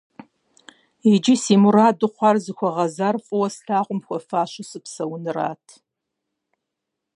Иджы си мураду хъуар зыхуэгъэзар фӀыуэ слъагъум хуэфащэу сыпсэунырт.